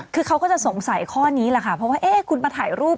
คือเขาก็จะสงสัยข้อนี้แหละค่ะเพราะว่าเอ๊ะคุณมาถ่ายรูป